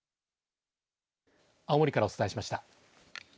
青森からお伝えしました。